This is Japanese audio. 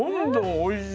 おいしい！